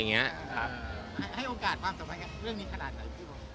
มีโอกาสขึ้นตอนนั้นหน่อย